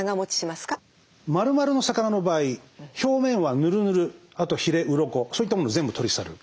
まるまるの魚の場合表面はヌルヌルあとヒレウロコそういったものを全部取り去る。